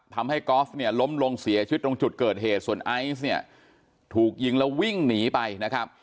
กอล์ฟเนี่ยล้มลงเสียชีวิตตรงจุดเกิดเหตุส่วนไอซ์เนี่ยถูกยิงแล้ววิ่งหนีไปนะครับ